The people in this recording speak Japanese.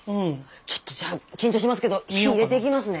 ちょっとじゃあ緊張しますけど火入れてきますね。